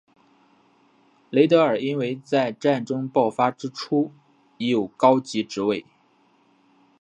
雷德尔因为在战争爆发之初已有高级职位。